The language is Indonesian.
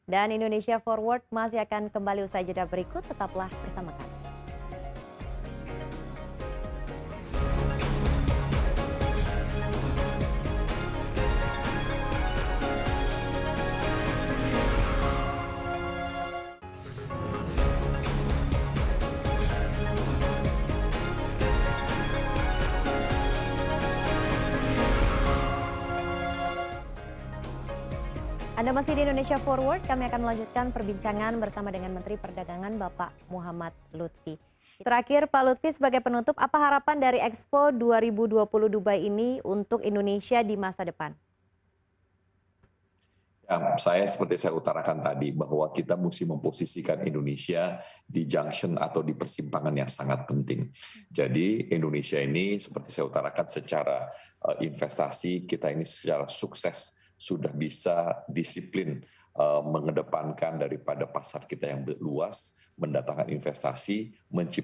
dan indonesia forward masih akan kembali usai jeda berikut tetaplah bersama kami